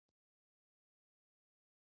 کوارټر دی او هم راتلونکو ورځو کې نوی کال لرو،